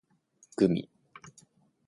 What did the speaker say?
gumi